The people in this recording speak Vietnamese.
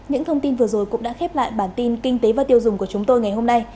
những thông tin vừa rồi cũng đã khép lại bản tin kinh tế và tiêu dùng của chúng tôi ngày hôm nay